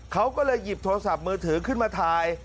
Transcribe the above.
เขาก็เลยหยิบโทรศัพท์มือถือขึ้นมาถ่าย